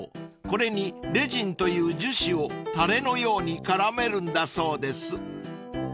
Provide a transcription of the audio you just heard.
これにレジンという樹脂をタレのように絡めるんだそうです］